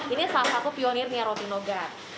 ini salah satu pionirnya roti nogat